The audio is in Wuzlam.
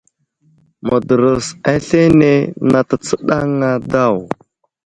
Mədərəs aslane di nat tsənaŋ a daw.